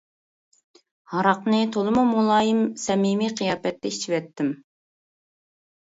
ھاراقنى تولىمۇ مۇلايىم، سەمىمىي قىياپەتتە ئىچىۋەتتىم.